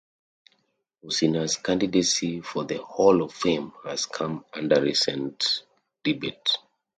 Mussina's candidacy for the Hall of Fame has come under recent debate.